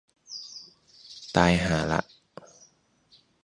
ตายห่าละ